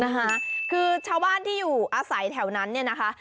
นะคะคือชาวบ้านที่อยู่อาศัยแถวนั้นเนี่ยนะคะ